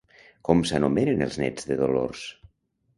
Com s'anomenen els nets de Dolors?